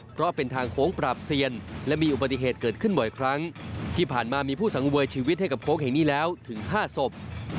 เพราะเป็นทางโค้งปราบเซียนและมีอุบัติเหตุเกิดขึ้นบ่อยครั้งที่ผ่านมามีผู้สังเวยชีวิตให้กับโค้งแห่งนี้แล้วถึง๕ศพ